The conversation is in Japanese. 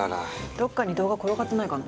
どっかに動画転がってないかな。